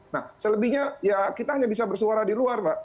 nah selebihnya ya kita hanya bisa bersuara di luar mbak